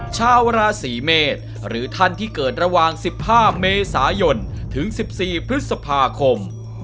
ชาวราศีเมธหรือท่านที่เกิดระหว่างสิบห้าเมษายนถึงสิบสี่พฤษภาคม